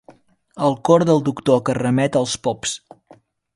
El cor del doctor que remet als pops.